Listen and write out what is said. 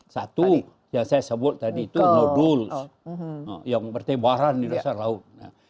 satu yang saya sebut tadi itu noduls yang bertebaran di dasar laut